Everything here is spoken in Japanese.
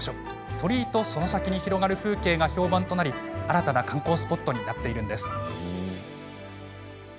鳥居とその先に広がる風景が評判となり新たな観光スポットになっているんです。